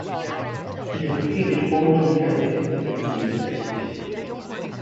It is located almost entirely within Davis County.